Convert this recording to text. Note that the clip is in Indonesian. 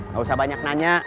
gak usah banyak nanya